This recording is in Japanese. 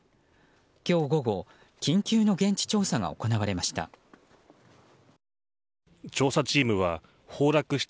今日午後緊急の現地調査が行われました。